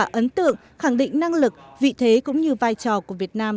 ấn tượng khẳng định năng lực vị thế cũng như vai trò của việt nam